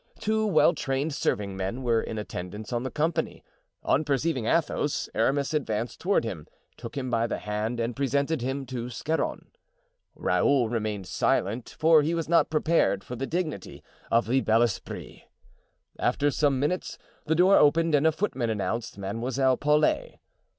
Two well trained servingmen were in attendance on the company. On perceiving Athos, Aramis advanced toward him, took him by the hand and presented him to Scarron. Raoul remained silent, for he was not prepared for the dignity of the bel esprit. After some minutes the door opened and a footman announced Mademoiselle Paulet.